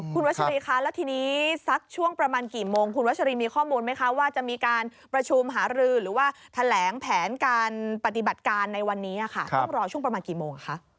คุณวัชรีคะแล้วทีนี้สักช่วงประมาณกี่โมงคุณวัชรีมีข้อมูลไหมคะว่าจะมีการประชุมหารือหรือว่าแถลงแผนการปฏิบัติการในวันนี้ค่ะต้องรอช่วงประมาณกี่โมงคะ